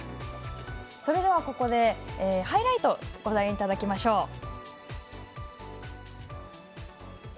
それでは、ここでハイライトご覧いただきましょう。